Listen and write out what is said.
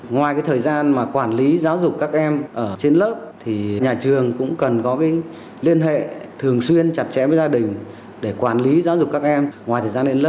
ngoài thời gian mà quản lý giáo dục các em ở trên lớp thì nhà trường cũng cần có liên hệ thường xuyên chặt chẽ với gia đình để quản lý giáo dục các em ngoài thời gian lên lớp